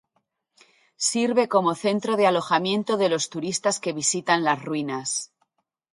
Sirve como centro de alojamiento de los turistas que visitan las ruinas.